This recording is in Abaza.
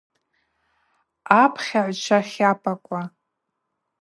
Апхьагӏвчва тлапӏаква!